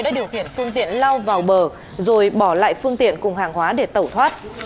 đã điều khiển phương tiện lao vào bờ rồi bỏ lại phương tiện cùng hàng hóa để tẩu thoát